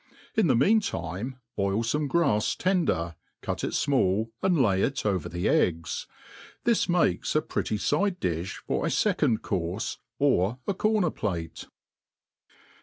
In the mean time boil fome grafs tender^ cut it fmall, >and lay it over the eggs« This makes a pretty fi({e*diih fpr ^ fecQnd courfe, or a porner plate.